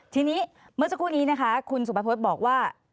ทีนี้เมื่อเจ้าคู่นี้นะคะคุณสุภัทรโพธบอกว่า